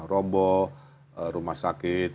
robo rumah sakit